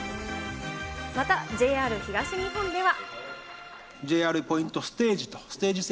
またＪＲ東日本では。